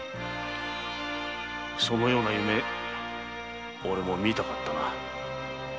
そのような夢俺も見たかったな。